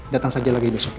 datang saja lagi besok ya